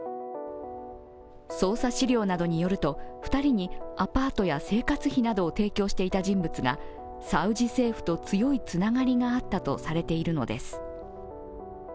捜査資料などによると、２人にアパートや生活費などを提供していた人物がサウジ政府と強いつながりがあったとされているのです。